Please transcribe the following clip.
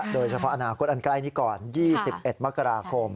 โดยเฉพาะอนาคตอันใกล้นี้ก่อน๒๑มกราคม